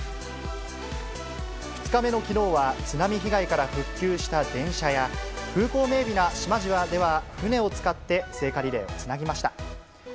２日目のきのうは、津波被害から復旧した電車や、風光明媚な島々では、船を使って聖火リレーをつなぎました。